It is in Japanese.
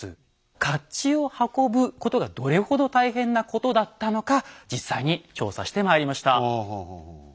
甲冑を運ぶことがどれほど大変なことだったのか実際に調査してまいりました。